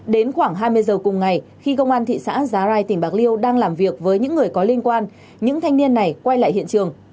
đến khoảng hai mươi giờ cùng ngày khi công an thị xã giá rai tỉnh bạc liêu đang làm việc với những người có liên quan những thanh niên này quay lại hiện trường